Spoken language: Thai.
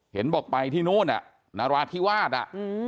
เห็นบอกไปที่นู่นนราธิวาส